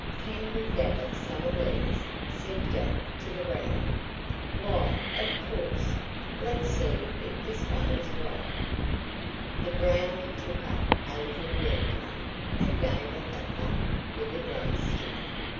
"Can we gather some of these?" said Jack to the Brownie. "Why, of course. Let's see if this one is ripe." The Brownie took up a little red drum, and gave it a thump with a drum stick.